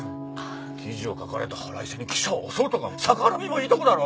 記事を書かれた腹いせに記者を襲うとか逆恨みもいいとこだろ！